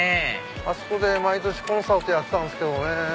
あそこで毎年コンサートやってたんですけどね。